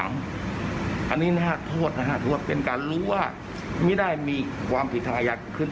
อันนี้๕โทษนะ๕โทษเป็นการรู้ว่าไม่ได้มีความผิดทางอายะขึ้น